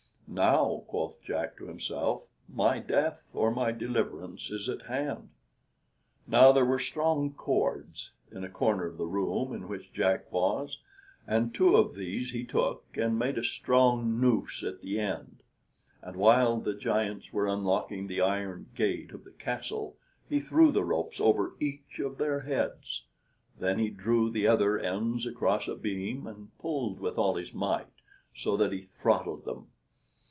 "Now," quoth Jack to himself, "my death or my deliverance is at hand." Now, there were strong cords in a corner of the room in which Jack was, and two of these he took, and made a strong noose at the end; and while the giants were unlocking the iron gate of the castle he threw the ropes over each of their heads. Then he drew the other ends across a beam, and pulled with all his might, so that he throttled them.